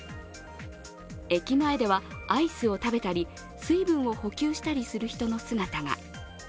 駅前ではアイスを食べたり水分を補給したりする人の姿が。